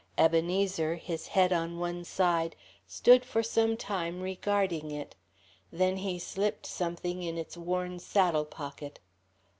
Ebenezer, his head on one side, stood for some time regarding it. Then he slipped something in its worn saddle pocket.